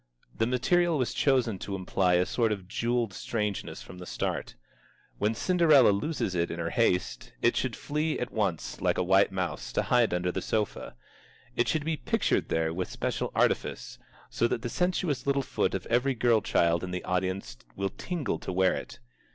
The material was chosen to imply a sort of jewelled strangeness from the start. When Cinderella loses it in her haste, it should flee at once like a white mouse, to hide under the sofa. It should be pictured there with special artifice, so that the sensuous little foot of every girl child in the audience will tingle to wear it.